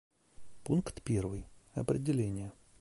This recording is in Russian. Пункт первый: определения.